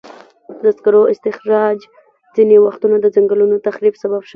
د سکرو استخراج ځینې وختونه د ځنګلونو تخریب سبب شوی.